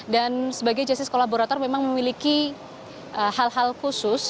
dan sebagai justice collaborator memang memiliki hal hal khusus